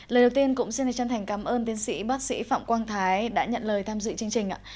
lời đầu tiên cũng xin chân thành cảm ơn tiến sĩ bác sĩ phạm quang thái đã nhận lời tham dự chương trình ạ